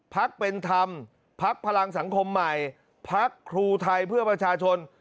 พักเป็นธรรมพักพลังสังคมใหม่พักครูไทยเพื่อประชาชน